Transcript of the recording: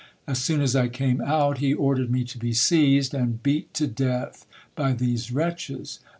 As soon as I came out, he ordered me to be seized, and beat to death by these wretches.